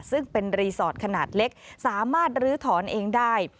ซึ่งเป็นรีสอร์ทขนาดเล็กสามารถลื้อถอนเองได้